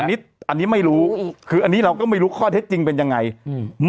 อันนี้อันนี้ไม่รู้คืออันนี้เราก็ไม่รู้ข้อเท็จจริงเป็นยังไงอืม